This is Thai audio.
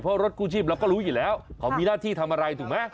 เพราะรถกู้ชีพเราก็รู้อยู่แล้วเขามีหน้าที่ทำอะไรถูกไหม